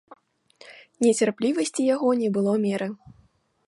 Нецярплівасці яго не было меры.